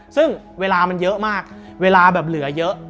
ซึ่งเวลามันเยอะมากเวลาแบบเหลือเยอะ